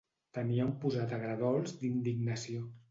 Tenia un posat agredolç d'indignació.